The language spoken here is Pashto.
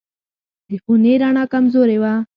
د خونې رڼا کمزورې وه.